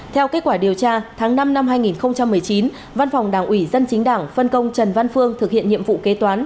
theo kết quả điều tra tháng năm năm hai nghìn một mươi chín văn phòng đảng ủy dân chính đảng phân công trần văn phương thực hiện nhiệm vụ kế toán